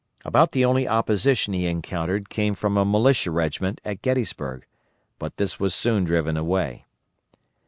About the only opposition he encountered came from a militia regiment at Gettysburg, but this was soon driven away.